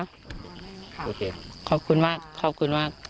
โอเคขอบคุณมากขอบคุณมาก